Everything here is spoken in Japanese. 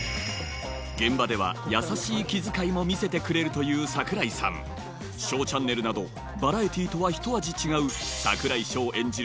現場ではも見せてくれるという櫻井さん『ＳＨＯＷチャンネル』などバラエティーとはひと味違う櫻井翔演じる